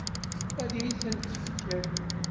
Ad iyi-ten-tefk?